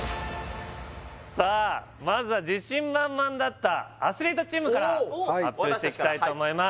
さあまずは自信満々だったアスリートチームからおお私達から発表していきたいと思います